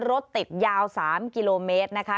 รถติดยาว๓กิโลเมตรนะคะ